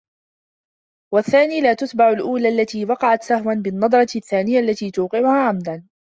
وَالثَّانِي لَا تُتْبِعْ الْأُولَى الَّتِي وَقَعَتْ سَهْوًا بِالنَّظْرَةِ الثَّانِيَةِ الَّتِي تُوقِعُهَا عَمْدًا